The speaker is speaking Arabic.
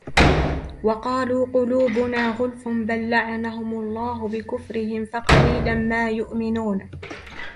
وَقَالُوا قُلُوبُنَا غُلْفٌ بَلْ لَعَنَهُمُ اللَّهُ بِكُفْرِهِمْ فَقَلِيلًا مَا يُؤْمِنُونَ